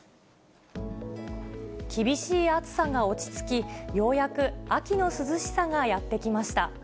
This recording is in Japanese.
厳しい暑さが落ち着き、ようやく秋の涼しさがやって来ました。